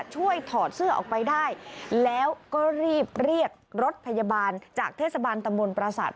ถอดเสื้อออกไปได้แล้วก็รีบเรียกรถพยาบาลจากเทศบาลตำบลประสาท